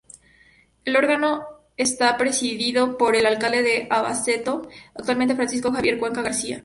El órgano está presidido por el alcalde de Albacete, actualmente Francisco Javier Cuenca García.